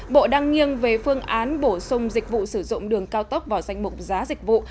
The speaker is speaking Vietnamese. bộ đang nghiêng về phương án bổ sung dịch vụ sử dụng đường cao tốc vào danh mục giá dịch vụ